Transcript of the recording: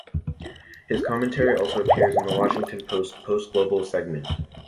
His commentary also appears in the Washington Post's PostGlobal segment.